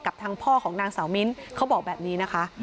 ทางพ่อของนางสาวมิ้นเขาบอกแบบนี้นะคะ